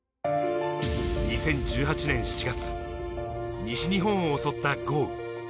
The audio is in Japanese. ２０１８年７月、西日本を襲った豪雨。